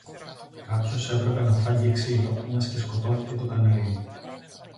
Κάποιος έπρεπε να φάγει ξύλο, μιας και σκοτώθηκε το καναρίνι